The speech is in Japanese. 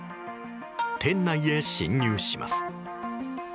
店内へ侵入します。